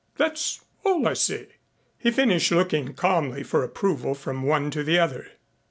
That's all I say," he finished looking calmly for approval from one to the other.